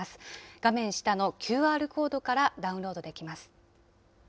画面下のＱＲコードからダウンロードできます。